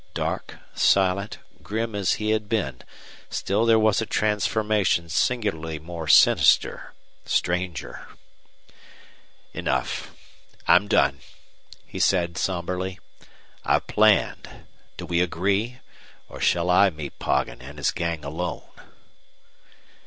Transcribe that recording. Dark, silent, grim as he had been, still there was a transformation singularly more sinister, stranger. "Enough. I'm done," he said, somberly. "I've planned. Do we agree or shall I meet Poggin and his gang alone?"